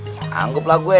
sanggup lah gue